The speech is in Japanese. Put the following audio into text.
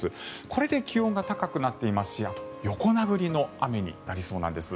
これで気温が高くなっていますしあと、横殴りの雨になりそうなんです。